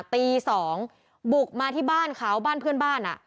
ตี๒บุกมาที่บ้านเขาบ้านเพื่อนบ้าน